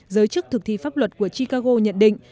giới chức thực thi pháp luật của chicago nhận định